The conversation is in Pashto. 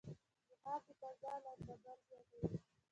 بخار د فضا لندبل زیاتوي.